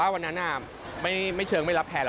วันนั้นไม่เชิงไม่รับแทนห